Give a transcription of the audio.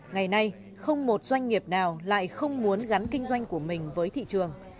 ngày nay không một doanh nghiệp nào lại không muốn gắn kinh doanh của mình với thị trường